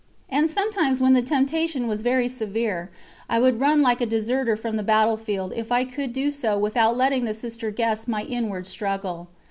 And sometimes when the temptation was very severe, I would run like a deserter from the battlefield if I could do so without letting the Sister guess my inward struggle.